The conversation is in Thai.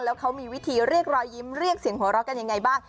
แล้วเขามีวิธีเรียกรอยยิ้มเรียกเสียงหัวเราะกันยังไงบ้าง